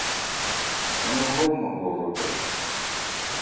Ń hrɔman hrɔhrɔ dran.